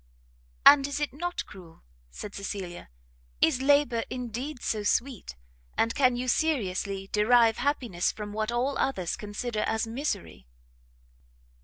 "And is it not cruel?" said Cecilia, "is labour indeed so sweet? and can you seriously derive happiness from what all others consider as misery?"